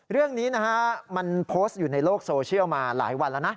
เรื่องนี้นะฮะมันโพสต์อยู่ในโลกโซเชียลมาหลายวันแล้วนะ